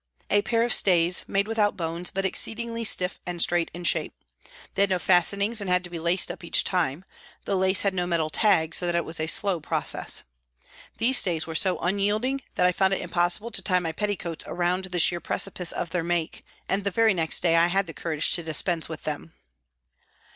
A pair of stays made without bones but exceedingly stiff and straight in shape. They had no fastenings and had to be laced up each time ; the lace had no metal tag so that it was a slow process. These stays were so unyielding that I found it impossible to tie my petticoats around the sheer precipice of their make, and the very next day I had the courage to dispense with them.